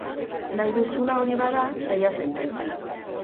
Nahi duzuna hori bada, saia zaitez.